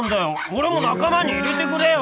俺も仲間に入れてくれよ